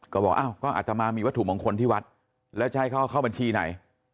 ก็บอกก็อาจมามีวัตถุมงคลที่วัดแล้วใช่เขาก็เข้าบัญชีไหน